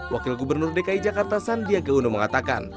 wakil gubernur dki jakarta sandiaga uno mengatakan